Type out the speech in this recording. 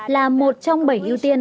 là một trong bảy ưu tiên